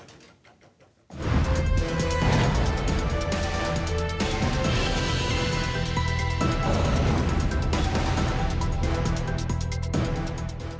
ครับ